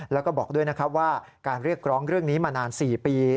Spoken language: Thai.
แล้วก็บอกด้วยนะครับว่าการเรียกร้องเรื่องนี้มานาน๔ปี